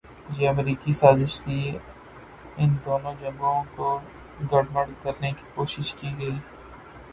یہ امریکی سازش تھی کہ ان دونوں جنگوں کوگڈمڈ کرنے کی کوشش کی گئی۔